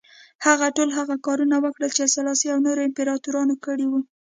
هغه ټول هغه کارونه وکړل چې سلاسي او نورو امپراتورانو کړي وو.